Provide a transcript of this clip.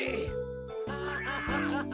ハハハハハ。